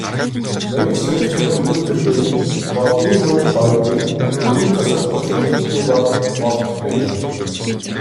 Мэргэч төлгөчөөр үзүүлэлгүй бол ийм үед горьгүй, гүрэм засал уншуулалгүй бол болдоггүй гэнэ.